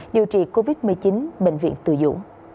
điều trị covid một mươi chín bệnh viện từ dũng